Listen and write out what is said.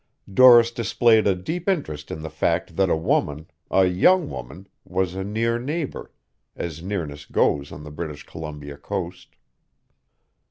Doris displayed a deep interest in the fact that a woman, a young woman, was a near neighbor, as nearness goes on the British Columbia coast.